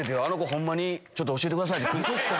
あの子ホンマにちょっと教えてくださいって来る。